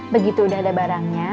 begitu udah ada barangnya